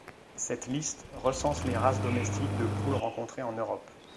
Cette liste recense les races domestiques de poules rencontrées en Europe.